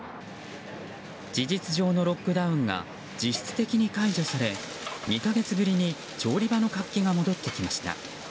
事実上のロックダウンが実質的に解除され２か月ぶりに調理場の活気が戻ってきました。